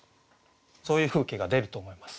そういう風景が出ると思います。